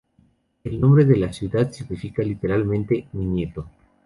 El nombre de la ciudad significa literalmente "Mi nieto".